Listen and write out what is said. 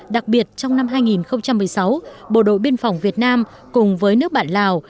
đặc biệt trong năm hai nghìn một mươi sáu bộ đội biên phòng việt nam cùng với nước bạn lào